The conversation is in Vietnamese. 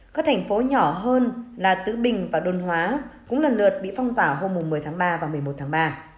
các thành phố nhỏ hơn là tứ bình và đôn hóa cũng lần lượt bị phong tỏa hôm một mươi tháng ba và một mươi một tháng ba